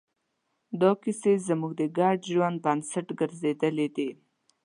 دا کیسې زموږ د ګډ ژوند بنسټ ګرځېدلې دي.